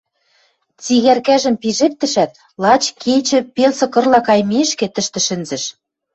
Цигӓркӓжӹм пижӹктӹшӓт, лач кечӹ пел сыкырла каймешкӹ, тӹштӹ шӹнзӹш.